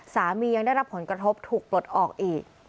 ยังได้รับผลกระทบถูกปลดออกอีก